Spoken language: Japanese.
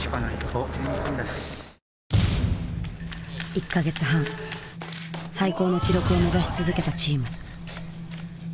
１か月半最高の記録を目指し続けたチーム。